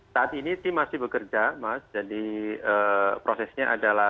saat ini tim masih bekerja mas jadi prosesnya adalah